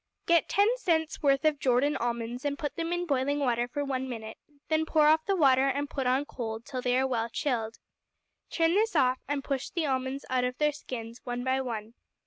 Get ten cents' worth of Jordan almonds, and put them in boiling water for one minute; then pour off the water and put on cold, till they are well chilled. Turn this off, and push the almonds out of their skins, one by one.